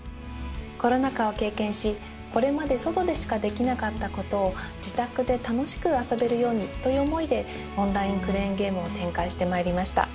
コロナ禍を経験しこれまで外でしかできなかった事を自宅で楽しく遊べるようにという思いでオンラインクレーンゲームを展開して参りました。